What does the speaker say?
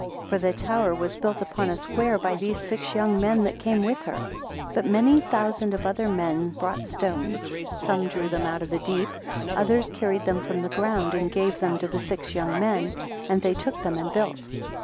25 For the tower was built upon a square by these six young men that came with her. 26 But many thousand of other men brought stones; some drew them out of the deep, others carried them from the ground, and gave them to the six young men; and they took them and built.